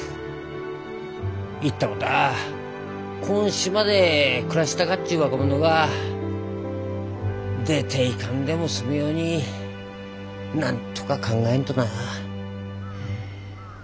島で暮らしたかっちゅう若者が出ていかんでも済むようになんとか考えんとな。